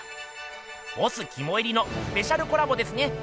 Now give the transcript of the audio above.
ボスきもいりのスペシャルコラボですね。